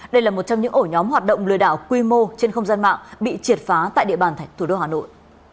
đây là một trong những ổ nhóm hoạt động lừa đảo quy mô trên không gian mạng bị triệt phá tại địa bàn thủ đô hà nội